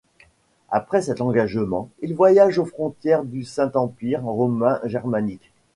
Après cet engagement, il voyage aux frontières du Saint-Empire romain germanique.